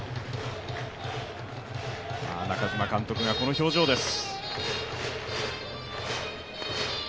中嶋監督がこの表情です。